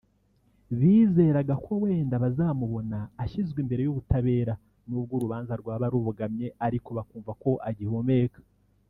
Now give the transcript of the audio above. Bizeraga ko wenda bazamubona ashyizwe imbere y’ubutabera n’ubwo urubanza rwaba rubogamye ariko bakumva ko agihumeka